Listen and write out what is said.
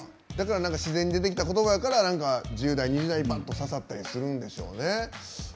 自然に出てきた言葉やから１０代、２０代にばっと刺さったりするんでしょうね。